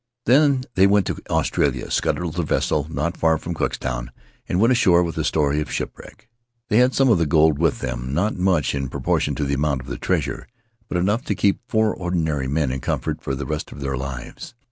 "Then they went to Australia, scuttled their vessel not far from Cooktown, and went ashore with a story of shipwreck. They had some of the gold with them —■ not much in proportion to the amount of the treasure, but enough to keep four ordinary men in comfort for the rest of their lives.